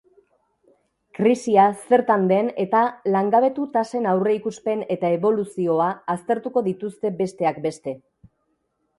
Krisia zertan den eta langabetu tasen aurreikuspen eta eboluzioa aztertuko dituzte besteak beste.